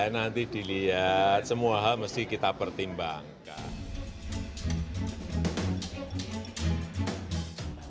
nanti dilihat semua hal mesti kita pertimbangkan